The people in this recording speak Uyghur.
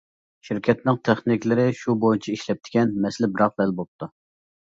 شىركەتنىڭ تېخنىكلىرى شۇ بويىچە ئىشلەپتىكەن، مەسىلە بىراقلا ھەل بوپتۇ.